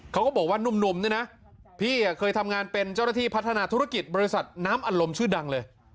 เขาก็บอกว่านุ่มเนี่ยนะพี่เคยทำงานเป็นเจ้าหน้าที่พัฒนาธุรกิจบริษัทน้ำอารมณ์ชื่อดังเลย